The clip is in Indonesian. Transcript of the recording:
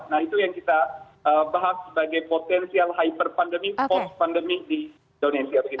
nah itu yang kita bahas sebagai potensial hyper pandemi post pandemic di indonesia